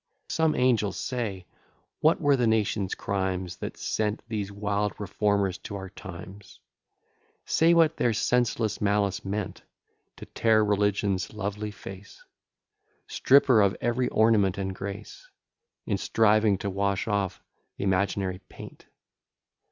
Some angel, say, what were the nation's crimes, That sent these wild reformers to our times: Say what their senseless malice meant, To tear religion's lovely face: Strip her of every ornament and grace; In striving to wash off th'imaginary paint?